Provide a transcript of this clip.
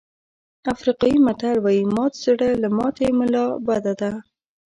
افریقایي متل وایي مات زړه له ماتې ملا بده ده.